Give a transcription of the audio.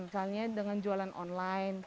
misalnya dengan jualan online